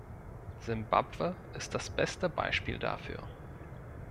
Simbabwe ist das beste Beispiel dafür.